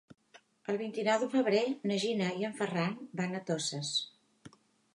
El vint-i-nou de febrer na Gina i en Ferran van a Toses.